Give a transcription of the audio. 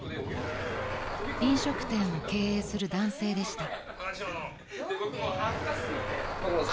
［飲食店を経営する男性でした］